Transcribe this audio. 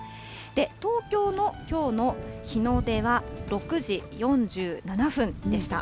東京のきょうの日の出は６時４７分でした。